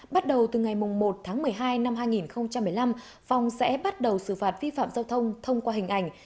bắt đầu từ ngày một tháng một mươi hai năm hai nghìn một mươi năm phòng sẽ bắt đầu xử phạt vi phạm giao thông thông qua hình ảnh